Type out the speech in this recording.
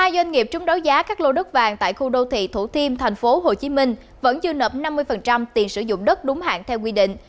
một mươi doanh nghiệp trúng đấu giá các lô đất vàng tại khu đô thị thủ thiêm tp hcm vẫn chưa nập năm mươi tiền sử dụng đất đúng hạn theo quy định